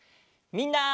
みんな！